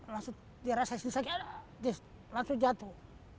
langsung dia rasa disini langsung jatuh